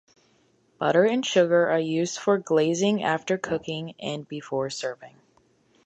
Butter and sugar are used for glazing after cooking and before serving.